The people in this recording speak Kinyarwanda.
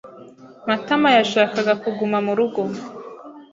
Matama yashakaga kuguma mu rugo.